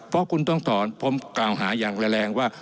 เพราะคุณต้องถอนผมกล่าวหาอย่างแรงว่า